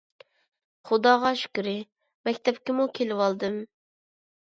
خۇداغا شۈكرى، مەكتەپكىمۇ كېلىۋالدىم.